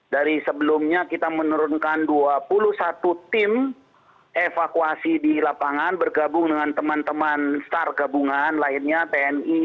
dari sebelumnya kita menurunkan dua puluh satu tim evakuasi di lapangan bergabung dengan teman teman star gabungan lainnya tni